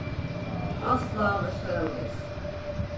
Asla başaramayız.